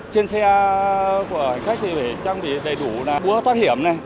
trên xe của hành khách thì phải trang bị đầy đủ là búa thoát hiểm này